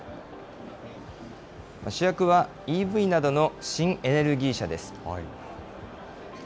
主役はＥＶなどの新エネルギー車です。